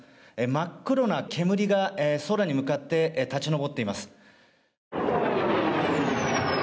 真っ黒な煙が空に向かって立ち上っています。